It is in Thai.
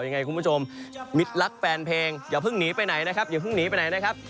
ยังไงคุณผู้ชมมิดลักษณ์แฟนเพลงอย่าเพิ่งหนีไปไหนนะครับ